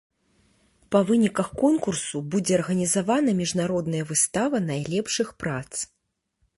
Па выніках конкурсу будзе арганізавана міжнародная выстава найлепшых прац.